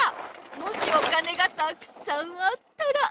もしお金がたくさんあったら。